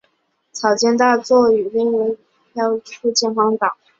草间大作与另一生还乘客岚十郎漂流至附近荒岛。